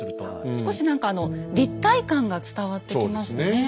少し何か立体感が伝わってきますね。